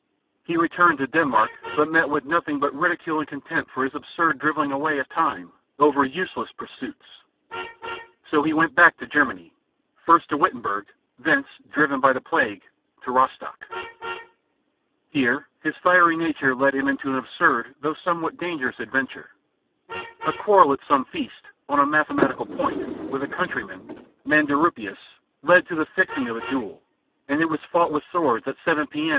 He returned to Denmark, but met with nothing but ridicule and contempt for his absurd drivelling away of time over useless pursuits. So he went back to Germany first to Wittenberg, thence, driven by the plague, to Rostock. Here his fiery nature led him into an absurd though somewhat dangerous adventure. A quarrel at some feast, on a mathematical point, with a countryman, Manderupius, led to the fixing of a duel, and it was fought with swords at 7 p.m.